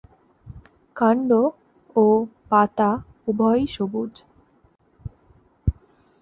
কাণ্ড ও পাতা উভয়ই সবুজ।